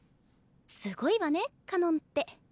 すごいわねかのんって。